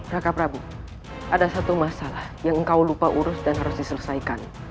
raka prabu ada satu masalah yang engkau lupa urus dan harus diselesaikan